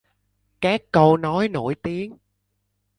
Các câu nói nổi tiếng